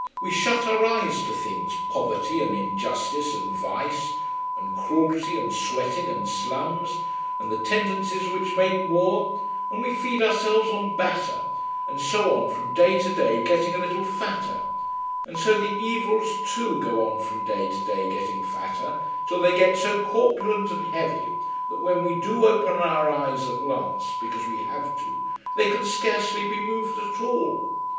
We shut our eyes to things poverty, and injustice, and vice, and cruelty, and sweating, and slums, and the tendencies which make war, and we feed ourselves on batter, and so go on from day to day getting a little fatter and so the evils too go on from day to day getting fatter, till they get so corpulent and heavy that when we do open our eyes at last, because we have to, they can scarcely be moved at all.